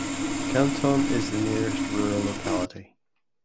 Kanton is the nearest rural locality.